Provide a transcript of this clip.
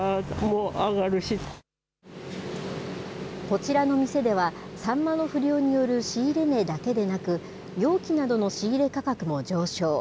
こちらの店では、サンマの不漁による仕入れ値だけでなく、容器などの仕入れ価格も上昇。